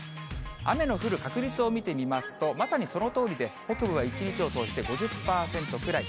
雨の降る確率を見てみますと、まさにそのとおりで、北部は一日を通して５０％くらい。